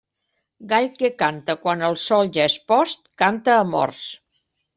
Gall que canta quan el sol ja és post, canta a morts.